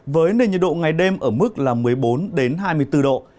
với nền nhiệt độ ngày đêm ở mức là một mươi bốn hai mươi bốn độ